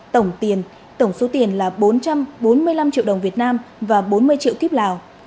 tổng tiền tổng số tiền là bốn trăm bốn mươi năm triệu đồng việt nam và bốn mươi triệu kíp lào